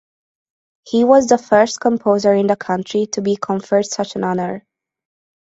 He was the first composer in the country to be conferred such an honour.